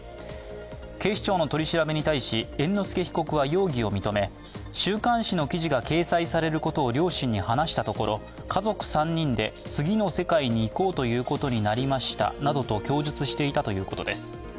警視庁の取り調べに対し猿之助被告は容疑を認め週刊誌の記事が掲載されることを両親に話したところ、家族３人で次の世界に行こうということになりましたなどと供述していたということです。